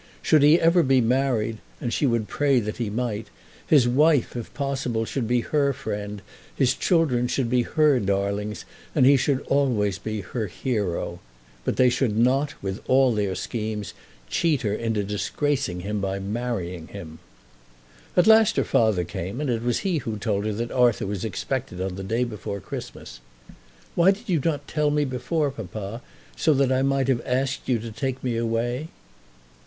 Should he ever be married, and she would pray that he might, his wife, if possible, should be her friend, his children should be her darlings; and he should always be her hero. But they should not, with all their schemes, cheat her into disgracing him by marrying him. At last her father came, and it was he who told her that Arthur was expected on the day before Christmas. "Why did you not tell me before, papa, so that I might have asked you to take me away?"